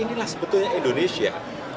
ini adalah sebetulnya indonesia